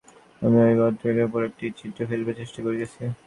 আমি ঐ বস্ত্রখণ্ডের উপর একটি চিত্র ফেলিবার চেষ্টা করিতেছি।